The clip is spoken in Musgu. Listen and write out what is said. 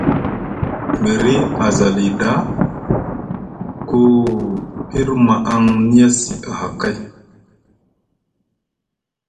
Mri a za li ɗa, ku pirma aŋ niyasi aha kay.